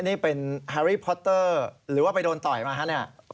นี่เป็นแฮรี่พอตเตอร์หรือว่าไปโดนต่อยมาฮะเนี่ย